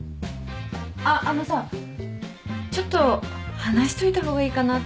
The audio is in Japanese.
あっあのさちょっと話しといた方がいいかなって思うことが。